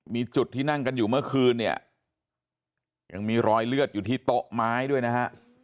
มีจุดที่นั่งกันอยู่เมื่อคืนเนี่ยยังมีรอยเลือดอยู่ที่โต๊ะไม้ด้วยนะฮะ